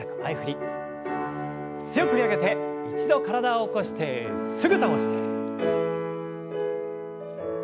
強く振り上げて一度体を起こしてすぐ倒して。